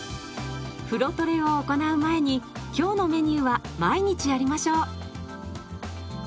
風呂トレを行う前に今日のメニューは毎日やりましょう。